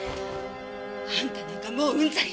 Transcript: あんたなんかもううんざり！